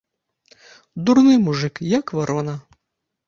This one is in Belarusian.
Дурны мужык, як варона!